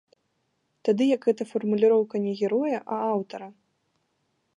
Тады як гэта фармуліроўка не героя, а аўтара.